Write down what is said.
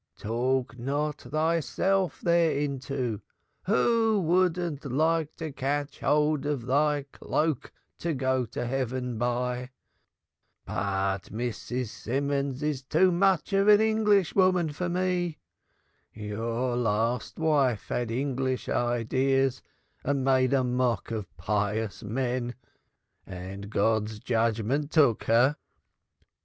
"Talk not thyself thereinto. Who wouldn't like to catch hold of thy cloak to go to heaven by? But Mrs. Simons is too much of an Englishwoman for me. Your last wife had English ideas and made mock of pious men and God's judgment took her.